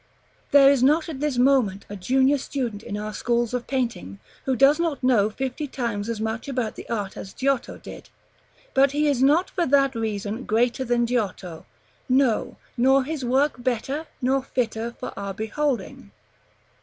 There is not at this moment a junior student in our schools of painting, who does not know fifty times as much about the art as Giotto did; but he is not for that reason greater than Giotto; no, nor his work better, nor fitter for our beholding.